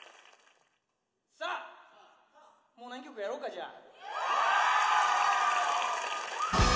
さあもう何曲かやろうかじゃあ。